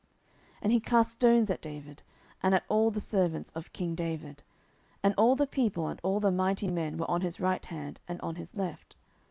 10:016:006 And he cast stones at David, and at all the servants of king David: and all the people and all the mighty men were on his right hand and on his left.